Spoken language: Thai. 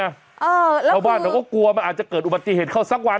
ชาวบ้านเขาก็กลัวมันอาจจะเกิดอุบัติเหตุเข้าสักวัน